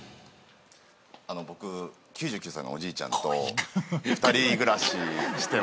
僕９９歳のおじいちゃんと二人暮らししてまして。